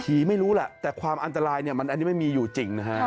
ผีไม่รู้แต่ความอันตรายอันนี้ไม่มีอยู่จริง